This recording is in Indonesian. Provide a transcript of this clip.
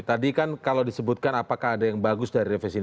tadi kan kalau disebutkan apakah ada yang bagus dari revisi